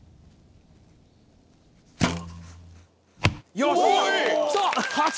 よし！